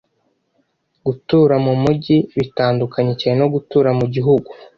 Gutura mumujyi bitandukanye cyane no gutura mugihugu.